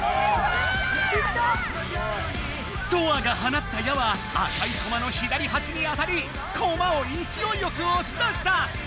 トアがはなった矢は赤いコマの左はしに当たりコマをいきおいよくおし出した！